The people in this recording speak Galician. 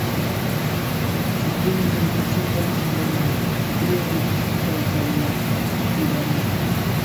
"Suprimen Educación para a Cidadanía e crean educación para a tauromaquia", ironiza.